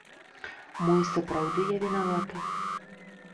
Мо і сапраўды я вінавата?